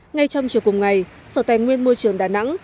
ngay trong chiều cùng ngày sở tài nguyên môi trường đà nẵng